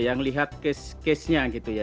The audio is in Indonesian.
kita harus melihat case case nya